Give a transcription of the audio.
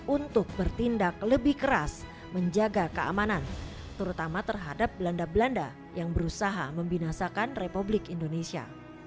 untuk bertindak lebih keras menjaga keamanan terutama terhadap belanda belanda yang berusaha membinasakan republik indonesia